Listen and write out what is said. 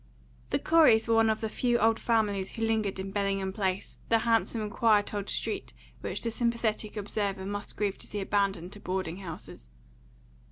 THE Coreys were one of the few old families who lingered in Bellingham Place, the handsome, quiet old street which the sympathetic observer must grieve to see abandoned to boarding houses.